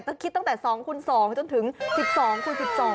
ถ้าคิดตั้งแต่๒คูณ๒จนถึง๑๒คูณ๑๒